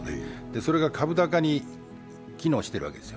それが株高に機能してるわけですよ。